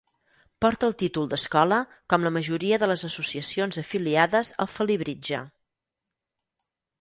Porta el títol d'escola com la majoria de les associacions afiliades al Felibritge.